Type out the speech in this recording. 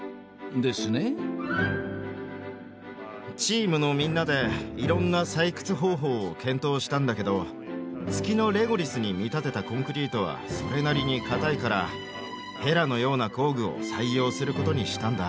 チームのみんなでいろんな採掘方法を検討したんだけど月のレゴリスに見立てたコンクリートはそれなりに硬いからへらのような工具を採用することにしたんだ。